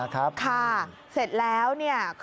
ด้วยความเคารพนะคุณผู้ชมในโลกโซเชียล